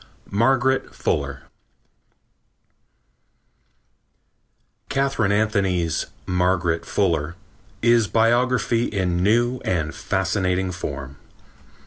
Margaret Fuller Katharine Anthony's Margaret Fuller is biography in new and fascinating form.